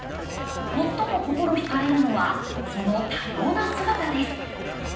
最も心ひかれるのはその多様な姿です。